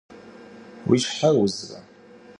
Vui şher vuzre?